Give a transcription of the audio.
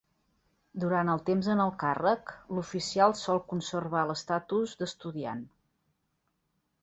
Durant el temps en el càrrec, l'oficial sol conservar l'estatus d'estudiant.